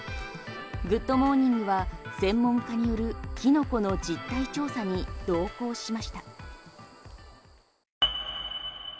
「グッド！モーニング」は専門家によるキノコの実態調査に同行しました。